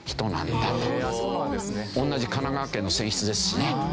同じ神奈川県の選出ですしね。